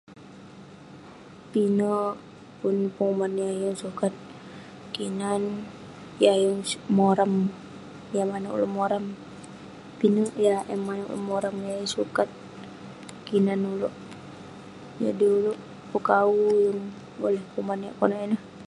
Pinek, pun penguman yah yeng sukat kinan, yah yeng- moram- yah manouk ireh moram. Pinek yah eh manouk ireh moram, yah yeng sukat kinan ulouk. Jadi ulouk pekawu, yeng boleh kuman yak konak ineh.